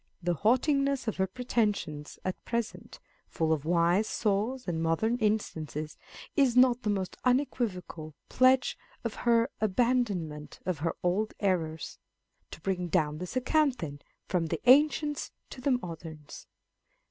The haughti ness of her pretensions at present, kt full of wise saws and modern instances," is not the most unequivocal pledge of her abandonment of her old errors. To bring down this account, then, from the ancients to the moderns.